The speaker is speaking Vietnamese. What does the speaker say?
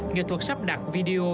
nghệ thuật sắp đặt video